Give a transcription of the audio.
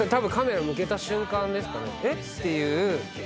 「えっ⁉」っていう。